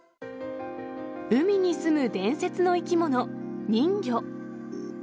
海に住む伝説の生き物、人魚。